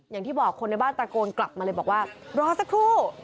อย่างที่บอกคนในบ้านตะโกนกลับมาเลยบอกว่ารอสักครู่